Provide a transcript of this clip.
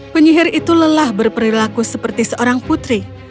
penyihir itu lelah berperilaku seperti seorang putri